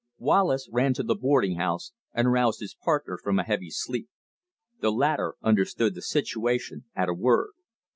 Wallace ran to the boarding house and roused his partner from a heavy sleep. The latter understood the situation at a word.